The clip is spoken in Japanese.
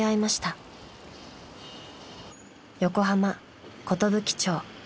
［横浜寿町］